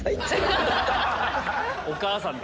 お母さんだ。